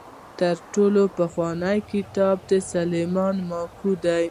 تر ټولو پخوانی کتاب د سلیمان ماکو دی.